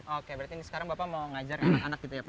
oke berarti ini sekarang bapak mau ngajar anak anak gitu ya pak